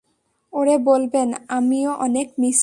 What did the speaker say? ওরে বলবেন আমিও অনেক মিস করি।